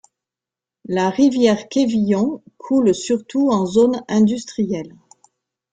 La rivière Quévillon coule surtout en zone industrielle.